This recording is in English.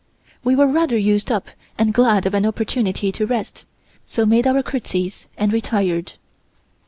We were rather used up and glad of an opportunity to rest, so made our courtesies and retired.